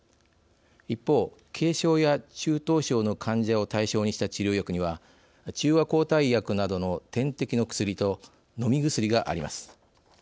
一方、軽症や中等症の患者を対象にした治療薬には中和抗体薬などの点滴の薬と飲み薬があります。